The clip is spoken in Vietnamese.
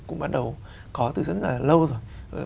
cũng bắt đầu có từ rất là lâu rồi